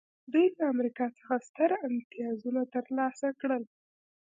دوی له امریکا څخه ستر امتیازونه ترلاسه کړل